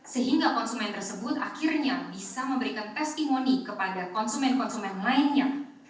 sehingga konsumen tersebut akhirnya bisa memberikan testimoni kepada konsumen konsumen lainnya